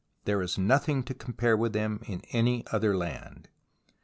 There is nothing to compare with them in any other land.